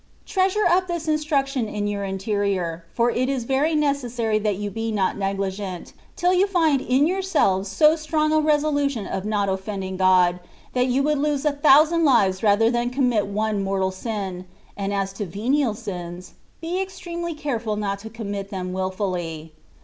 Trea sure up this instruction in your interior, for it is very necessary that you be not negKgent, till you find in yourselves so strong a resolution of not offending Ood, that you would lose a thousand lives rather than commit one mortal sin ; and as to venial sins, be extremely careful not to commit them wilfully.